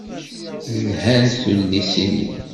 Lhant tullisin-im.